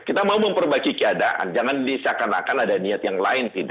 kita mau memperbaiki keadaan jangan disyakarakan ada niat yang lain tidak